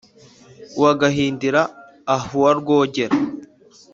uwa gahindir ahuwa rwógéra